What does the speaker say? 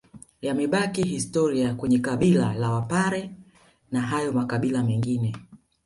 Yamebaki historia kwenye kabila la wapare na hayo makabila mengine